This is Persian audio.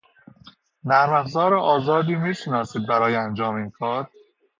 نرمافزار آزادی میشناسید برای انجام این کار؟